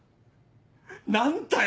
何だよ？